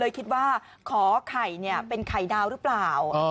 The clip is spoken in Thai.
คิดว่าขอไข่เป็นไข่ดาวหรือเปล่า